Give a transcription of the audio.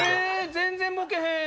全然ボケへん。